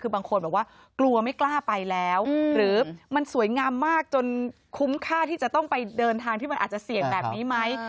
คือบางคนบอกว่ากลัวไม่กล้าไปแล้วหรือมันสวยงามมากจนคุ้มค่าที่จะต้องไปเดินทางที่มันอาจจะเสี่ยงแบบนี้ไหม